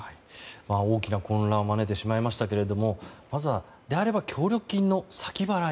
大きな混乱を招いてしまいましたがまずは、協力金の先払い